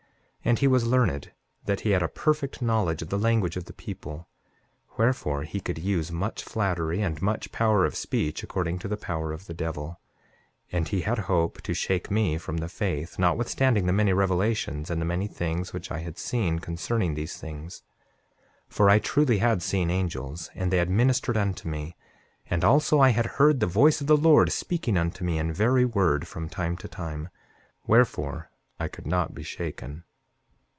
7:4 And he was learned, that he had a perfect knowledge of the language of the people; wherefore, he could use much flattery, and much power of speech, according to the power of the devil. 7:5 And he had hope to shake me from the faith, notwithstanding the many revelations and the many things which I had seen concerning these things; for I truly had seen angels, and they had ministered unto me. And also, I had heard the voice of the Lord speaking unto me in very word, from time to time; wherefore, I could not be shaken.